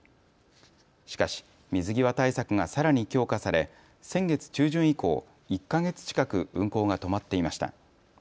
しかし水際対策がさらに強化され、先月中旬以降、１か月近く運航が止まっていました。